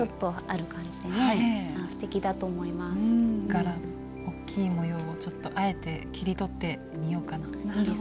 柄大きい模様をちょっとあえて切り取ってみようかな。